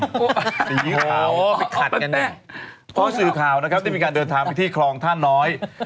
โหไปขัดกันเนี่ยพ่อสื่อข่าวนะครับที่มีการเดินทางไปที่ครองท่าน้อย